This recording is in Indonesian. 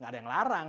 gak ada yang larang